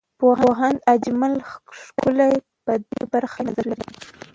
پوهاند اجمل ښکلی په دې برخه کې نظر لري.